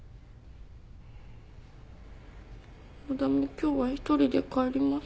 今日は一人で帰ります。